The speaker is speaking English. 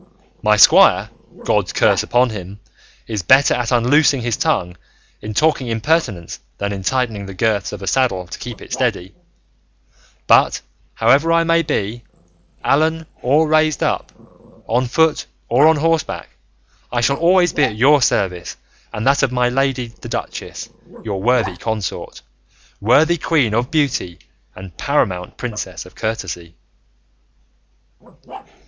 My squire, God's curse upon him, is better at unloosing his tongue in talking impertinence than in tightening the girths of a saddle to keep it steady; but however I may be, fallen or raised up, on foot or on horseback, I shall always be at your service and that of my lady the duchess, your worthy consort, worthy queen of beauty and paramount princess of courtesy."